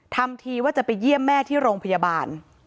ทำทีว่าจะไปเยี่ยมแม่ที่โรงพยาบาล